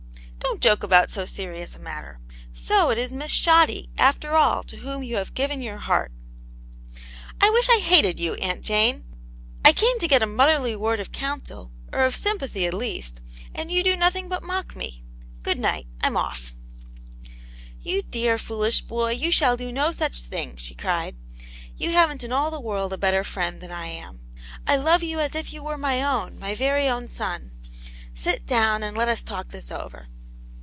''Don't joke about so serious a matter. So, it is Miss Shoddy, after all, to whom you have given your heart!" " I wish I hated you, Aunt Jane I I c^xcv^ V.^ ^^ a motherly word of counsel, or oi! s7rcv^^>JK^ ^X^'^^'* 6 Aunt Jane's Hero, and you do nothing but mock me. Good night ; I'm off/' "You dear, foolish boy, you shall do no such thing !" she cried. " You hav'n't in all the world a better friend than I am. I love you as if you were my own, my very own son. Sit down and let us talk this over."